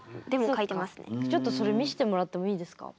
ちょっとそれ見してもらってもいいですか？